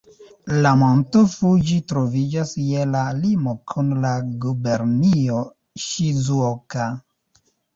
La Monto Fuĝi troviĝas je la limo kun la gubernio Ŝizuoka.